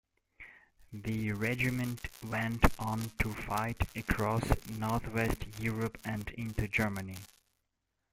The regiment went on to fight across Northwest Europe and into Germany.